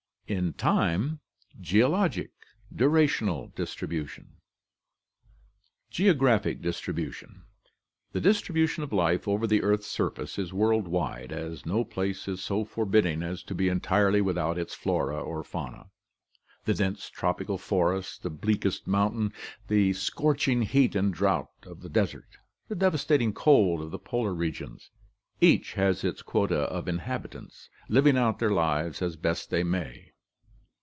In time: Geologic. Durational distribution. Geographic Distribution.— The distribution of life over the earth's surface is world wide, as no place is so forbidding as to be entirely without its flora or fauna; the dense tropical forest, the bleakest mountain, the scorching heat and drought of the desert, the devastating cold of the polar regions: each has its quota of in habitants, living out their lives as best they may.